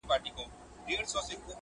عمر ځکه ډېر کوي چي پوه په کار دی،